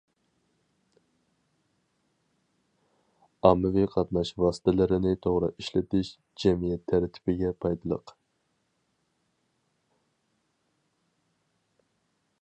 ئاممىۋىي قاتناش ۋاستىلىرىنى توغرا ئىشلىتىش، جەمئىيەت تەرتىپىگە پايدىلىق.